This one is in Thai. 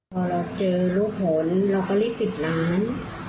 พอเราเจอลูกผลเราก็รีบปิดร้าน